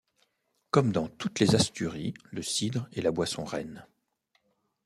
Comme dans toutes les Asturies, le cidre est la boisson reine.